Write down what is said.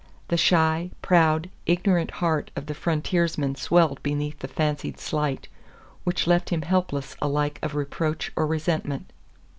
The shy, proud, ignorant heart of the frontiersman swelled beneath the fancied slight, which left him helpless alike of reproach or resentment.